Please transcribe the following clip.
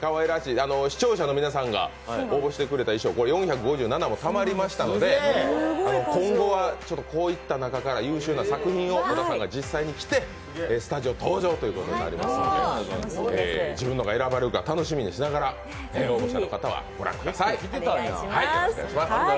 視聴者の皆さんが応募してくれた衣装、４５７通たまりましたので、今後はこういった中から優秀な作品を小田さんが実際に着てスタジオ登場ということになりますんで、自分のが選ばれるか楽しみにしながら応募者の方はご覧ください。